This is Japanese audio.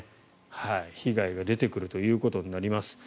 被害が出てくるということになります。